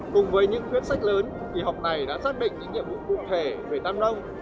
cùng với những quyết sách lớn kỳ họp này đã xác định những nhiệm vụ cụ thể về tam nông